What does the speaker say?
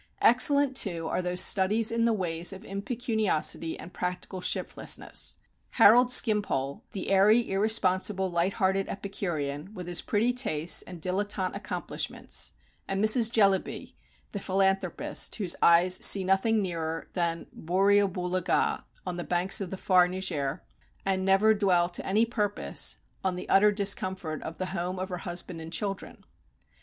Excellent too are those studies in the ways of impecuniosity and practical shiftlessness, Harold Skimpole, the airy, irresponsible, light hearted epicurean, with his pretty tastes and dilettante accomplishments, and Mrs. Jellyby, the philanthropist, whose eyes "see nothing nearer" than Borrioboola Gha, on the banks of the far Niger, and never dwell to any purpose on the utter discomfort of the home of her husband and children.